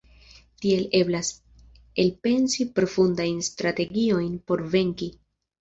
Tiel eblas elpensi profundajn strategiojn por venki.